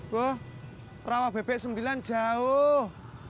wah kerabat bpk sembilan jauh